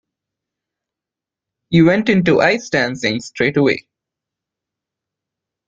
He went into ice dancing straight away.